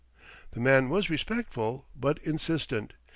The man was respectful, but insistent.